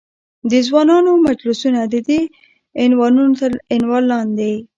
د ځوانانو مجلسونه، ددې عنوانونو تر عنوان لاندې.